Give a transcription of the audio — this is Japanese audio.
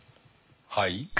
はい？